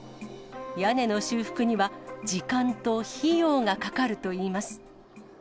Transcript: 屋根の修復には時間と費用がかかるといいます。